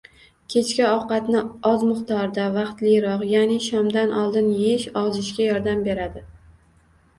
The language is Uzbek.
Kechki ovqatni oz miqdorda, vaqtliroq, ya'ni shomdan oldin yeyish ozishga yordam beradi.